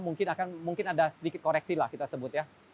mungkin akan mungkin ada sedikit koreksi lah kita sebut ya